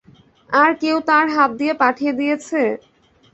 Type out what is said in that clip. আর কেউ তার হাত দিয়ে পাঠিয়ে দিয়েছে?